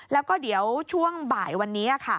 แล้วก็เดี๋ยวช่วงบ่ายวันนี้